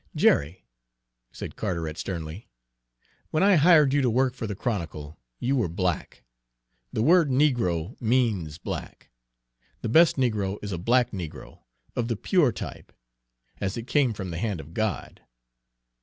"Jerry," said Carteret sternly, "when I hired you to work for the Chronicle, you were black. The word 'negro' means 'black.' The best negro is a black negro, of the pure type, as it came from the hand of God.